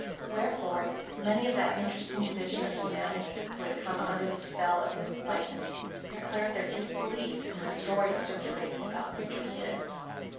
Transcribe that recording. Wherefore many of that interesting division of humanity who had come under the spell of his politeness declared their disbelief in the stories circulated about Mr. Kid.